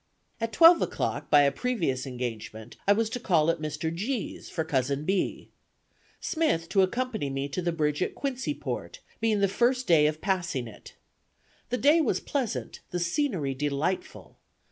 "At twelve o'clock, by a previous engagement, I was to call at Mr. G 's for Cousin B. Smith to accompany me to the bridge at Quincy port, being the first day of passing it. The day was pleasant; the scenery delightful.